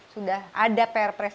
sudah ada pr press